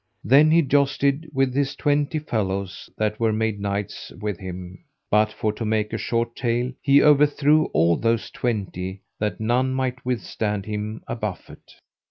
Then he jousted with his twenty fellows that were made knights with him, but for to make a short tale, he overthrew all those twenty, that none might withstand him a buffet.